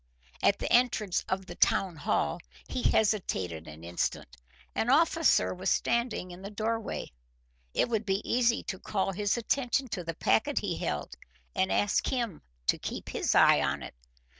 At the entrance of the town hall he hesitated an instant. An officer was standing in the doorway, it would be easy to call his attention to the packet he held and ask him to keep his eye on it.